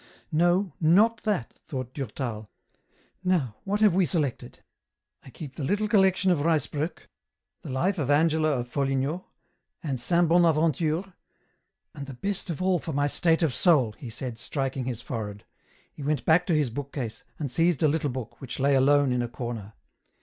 " No, not that," thought Durtal. " Now what have we selected ? I keep the little collection of Ruysbrock, the Life of Angela of Foligno, and Saint Bonaventure, and the best of all for my state of soul," he said, striking his fore head. He went back to his book case, and seized a little book, which lay alone in a corner.